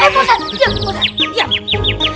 diam bosan diam